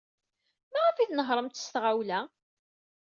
Maɣef ay tnehhṛemt s tɣawla?